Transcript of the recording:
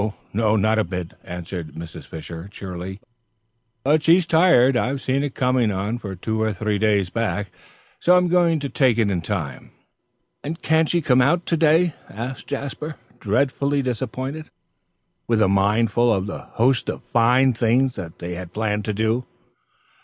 "No, not a bit," answered Mrs. Fisher, cheerily, "but she's tired. I've seen it coming on for two or three days back, so I'm going to take it in time." "And can't she come out, to day?" asked Jasper, dreadfully disappointed, with a mind full of the host of fine things they had planned to do.